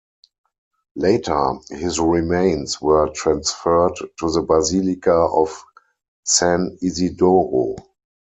Later, his remains were transferred to the Basilica of San Isidoro.